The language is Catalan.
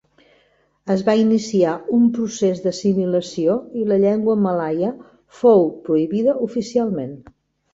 Es va iniciar un procés d'assimilació i la llengua malaia fou prohibida oficialment.